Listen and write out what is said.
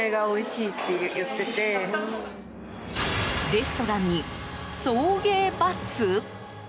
レストランに送迎バス？